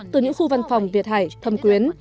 từ những khu văn phòng việt hải thâm quyến